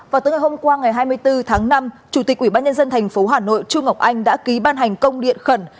vào tối ngày hôm qua ngày hai mươi bốn tháng năm chủ tịch ủy ban nhân dân tp hà nội trung ngọc anh đã ký ban hành công điện khẩn